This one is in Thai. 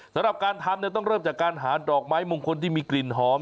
สำหรับการทำต้องเริ่มจากการหาดอกไม้มงคลที่มีกลิ่นหอม